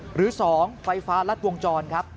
หรือ๒ไฟฟ้ารัดวงจรครับ